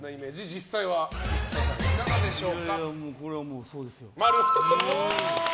実際はいかがでしょうか。